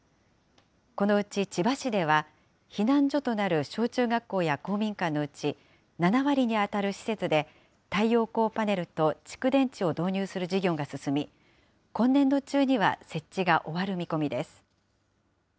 このうち千葉市では、避難所となる小中学校や公民館のうち、７割に当たる施設で、太陽光パネルと蓄電池を導入する事業が進み、今年度中には設置が終わる見込みです。